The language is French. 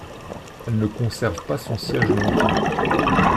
Elle ne conserve pas son siège longtemps.